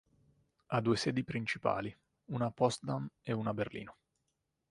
Ha due sedi principali, una a Potsdam ed una a Berlino.